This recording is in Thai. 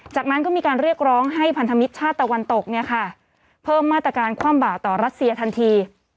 จากนั้นก็มีการเรียกร้องให้พันธมิตรชาติตะวันตกเนี่ยค่ะเพิ่มมาตรการความบากต่อรัสเซียทันที